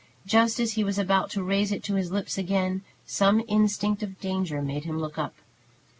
Just as he was about to raise it to his lips again, some instinct of danger made him look up.